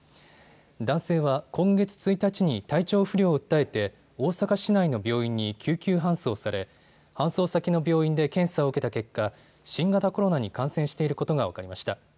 男性は今月１日に体調不良を訴えて大阪市内の病院に救急搬送され搬送先の病院で検査を受けた結果、新型コロナに感染していることが分かりました。